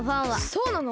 そうなの？